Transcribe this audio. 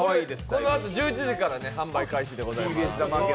このあと１１時から販売開始でございます。